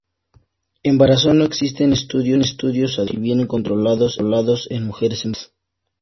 Embarazo: No existen estudios adecuados y bien controlados en mujeres embarazadas.